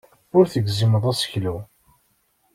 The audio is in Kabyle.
Ur tegzimeḍ aseklu.